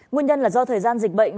nguyên nhân là do thời gian dịch bệnh